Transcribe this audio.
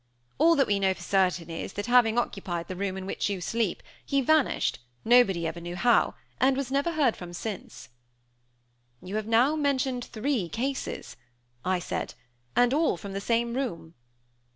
All that we know for certain is that, having occupied the room in which you sleep, he vanished, nobody ever knew how, and never was heard of since." "You have now mentioned three cases," I said, "and all from the same room."